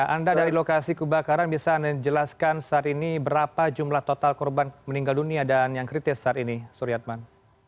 anda dari lokasi kebakaran bisa anda jelaskan saat ini berapa jumlah total korban meninggal dunia dan yang kritis saat ini suriatman